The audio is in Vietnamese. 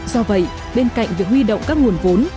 do vậy bên cạnh việc huy động các nguồn vốn